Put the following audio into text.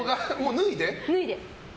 脱いで？